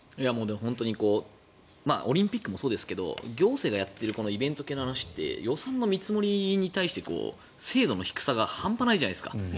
本当にオリンピックもそうですが行政がやっているイベント系の話って予算の見積もりに対して精度の低さが半端ないじゃないですか。